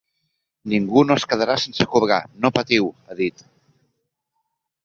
Ningú no es quedarà sense cobrar, no patiu, ha dit.